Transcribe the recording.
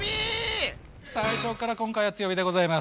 最初から今回は強火でございます。